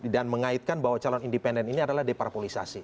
dan mengaitkan bahwa calon independen ini adalah deparpolisasi